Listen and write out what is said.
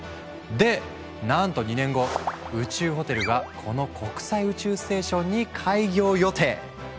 でなんと２年後宇宙ホテルがこの国際宇宙ステーションに開業予定！